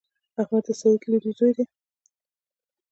احمد د سعید لودی زوی دﺉ.